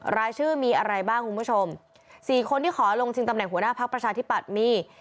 รายชื่อมีอะไรบ้างคุณผู้ชม๔คนที่ขอลงชิงตำแหน่งหัวหน้าพักประชาธิปัตย์มี